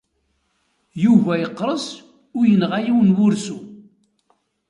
Yuba yeqres u yenɣa yiwen n wursu.